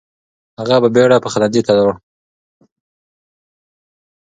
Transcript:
هغه په بیړه پخلنځي ته لاړ.